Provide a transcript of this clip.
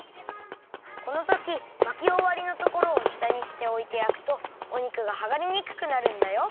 このとき巻きおわりのところをしたにしておいてやくとおにくがはがれにくくなるんだよ。